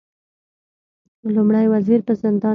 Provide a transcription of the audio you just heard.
لومړی وزیر په زندان کې دی